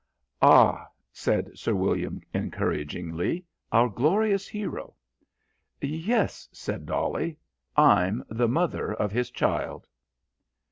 "Ah," said Sir William encouragingly, "our glorious hero." "Yes," said Dolly. "I'm the mother of his child."